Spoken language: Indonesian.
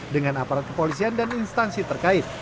dengan aparat kepolisian dan instansi terkait